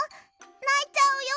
ないちゃうよ？